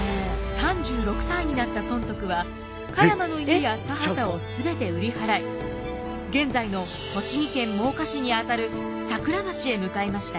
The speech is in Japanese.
３６歳になった尊徳は栢山の家や田畑を全て売り払い現在の栃木県真岡市にあたる桜町へ向かいました。